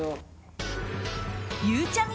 ゆうちゃみ